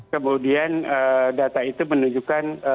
kemudian data itu menunjukkan